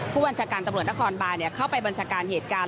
ผู้บัญชาการตำรวจนครบานเข้าไปบัญชาการเหตุการณ์